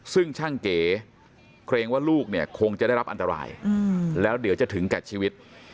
ซึ่งช่างเก๋เกรงว่าลูกเนี่ยคงจะได้รับอันตรายแล้วเดี๋ยวจะถึงแก่ชีวิต